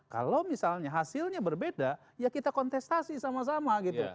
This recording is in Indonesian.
kalau misalnya hasilnya berbeda ya kita kontestasi sama sama gitu